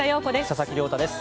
佐々木亮太です。